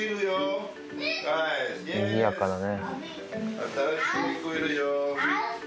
にぎやかだね。